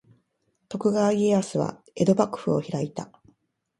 徳川家康は江戸幕府を開いた。